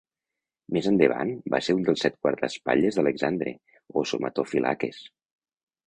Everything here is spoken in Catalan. Més endavant, va ser un dels set guardaespatlles d'Alexandre, o somatophylakes.